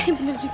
ya bener juga